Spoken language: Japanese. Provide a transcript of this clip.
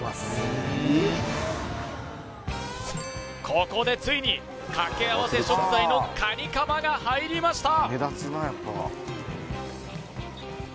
ここでついに掛け合わせ食材のカニカマが入りました